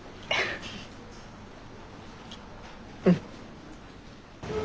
うん。